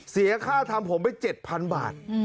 เสียค่าทำผมไป๗๐๐บาท